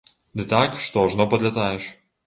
Ды так, што ажно падлятаеш!